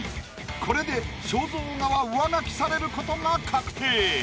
これで肖像画は上書きされることが確定。